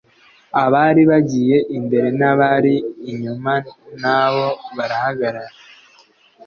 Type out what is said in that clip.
abari bagiye imbere n'abari inyuma na bo barahagarara,